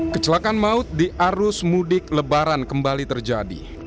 kecelakaan maut di arus mudik lebaran kembali terjadi